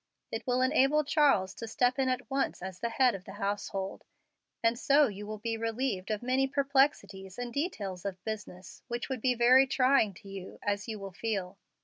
It will enable Charles to step in at once as head of the household, and so you will be relieved of many perplexities and details of business which would be very trying to you, as you will feel.